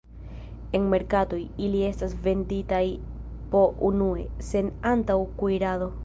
En merkatoj, ili estas venditaj po unue, sen antaŭ-kuirado.